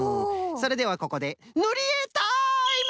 それではここでぬりえタイム！